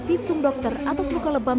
di kukul kakak